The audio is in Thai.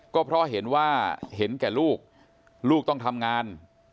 ก็เพราะเห็นว่าเห็นแก่ลูกลูกต้องทำงาน